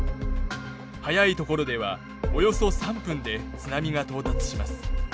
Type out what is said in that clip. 速いところではおよそ３分で津波が到達します。